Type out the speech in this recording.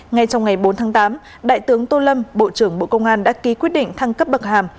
ngay trong ngày bốn tháng tám đại tướng tô lâm bộ trưởng bộ công an đã ký quyết định thăng cấp bậc hàm